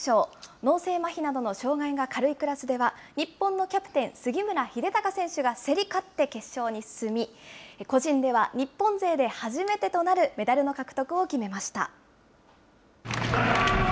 脳性まひなどの障害が軽いクラスでは、日本のキャプテン、杉村英孝選手が競り勝って決勝に進み、個人では日本勢で初めてとなるメダルの獲得を決めました。